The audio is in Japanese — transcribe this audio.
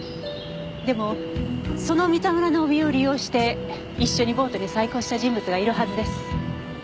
でもその三田村の怯えを利用して一緒にボートに細工をした人物がいるはずです。